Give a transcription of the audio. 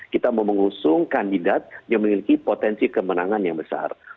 kita mau mengusung kandidat yang memiliki potensi kemenangan yang besar